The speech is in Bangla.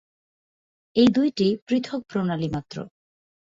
এই দুইটি পৃথক প্রণালী মাত্র।